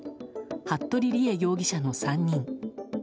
服部理江容疑者の３人。